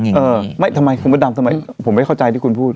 เออไม่ทำไมคุณพระดำทำไมผมไม่เข้าใจที่คุณพูด